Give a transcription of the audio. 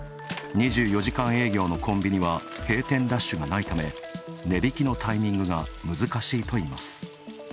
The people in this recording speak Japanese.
２４時間営業のコンビニは閉店ラッシュがないため、値引きのタイミングが難しいといいます。